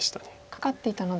カカっていたので。